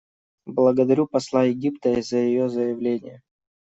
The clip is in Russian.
Благодарю посла Египта за ее заявление.